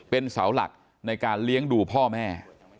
เป็นเสาหลักในการเลี้ยงดูพ่อแม่